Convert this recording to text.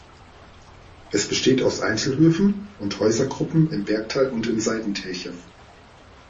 Es besteht aus Einzelhöfen und Häusergruppen im Bergtal und in Seitentälchen.